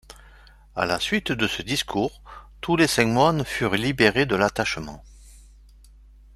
À la suite de ce discours, tous les cinq moines furent libérés de l'attachement.